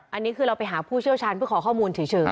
อันนี้คือเราไปหาผู้เชี่ยวชาญเพื่อขอข้อมูลเฉย